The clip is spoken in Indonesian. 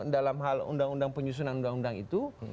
dalam hal undang undang penyusunan undang undang itu